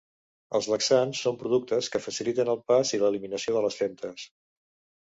Els laxants són productes que faciliten el pas i l'eliminació de les femtes.